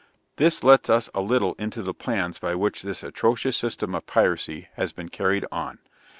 This lets us a little into the plans by which this atrocious system of piracy has been carried on.